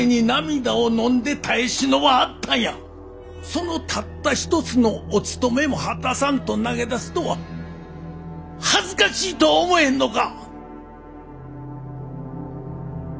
そのたった一つのおつとめも果たさんと投げ出すとは恥ずかしいとは思えへんのか！